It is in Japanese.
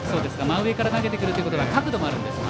真上から投げてくるということは角度もあるんですか。